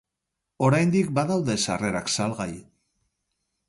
Oraindik badaude sarrerak salgai.